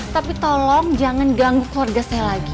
tapi tolong jangan ganggu keluarga saya lagi